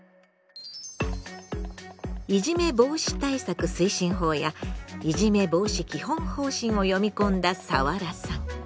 「いじめ防止対策推進法」や「いじめ防止基本方針」を読み込んだサワラさん。